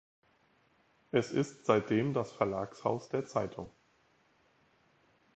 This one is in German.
Es ist seitdem das Verlagshaus der Zeitung.